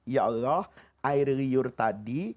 ya allah air liur tadi